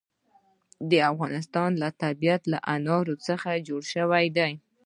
د افغانستان طبیعت له انار څخه جوړ شوی دی.